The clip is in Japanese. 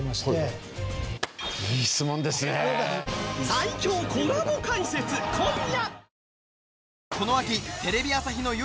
最強コラボ解説今夜！